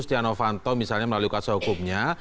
setia novanto misalnya melalui kuasa hukumnya